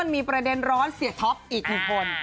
มีประเด็นร้อนเสียท็อปอีกหนึ่งคน